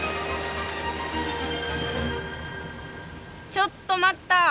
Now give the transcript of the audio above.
ちょっと待った！